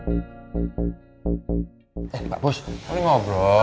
tidak ada uang kalaustadinya spirit uit animal yang kamu berada